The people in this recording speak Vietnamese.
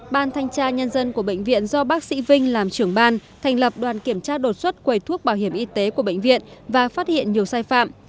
ban thanh tra nhân dân của bệnh viện do bác sĩ vinh làm trưởng ban thành lập đoàn kiểm tra đột xuất quầy thuốc bảo hiểm y tế của bệnh viện và phát hiện nhiều sai phạm